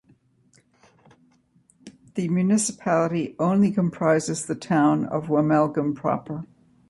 The municipality only comprises the town of Wommelgem proper.